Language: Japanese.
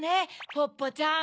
ポッポちゃん。